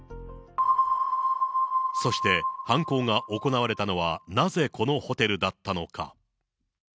そして犯行が行われたのは、なぜこのホテルだったのか。